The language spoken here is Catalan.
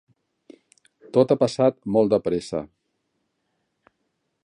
Tot ha passat molt de pressa.